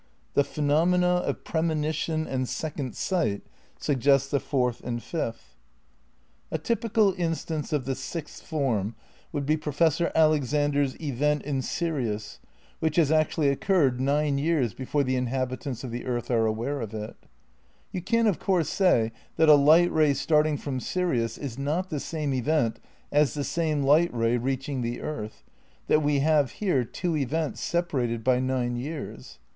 The phenomena of premonition and eeeond sight suggest the fourth and fifth. 246 VII RECONSTEUCTION OF IDEALISM 247 A typical instance of the sixth form would be Pro fessor Alexander's "event in Sirius" ^ which has actu ally occurred nine years before the inhabitants of the earth are aware of it. You can of course say that a light ray starting from Sirius is not the same event as the same light ray reaching the earth, that we have here two events separated by nine years.